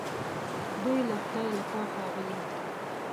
دوی د خدای له خوا ښاغلي